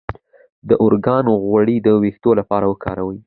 د ارګان غوړي د ویښتو لپاره وکاروئ